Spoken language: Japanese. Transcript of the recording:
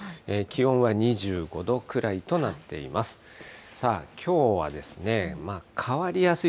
気温は２５度くらいとなっています。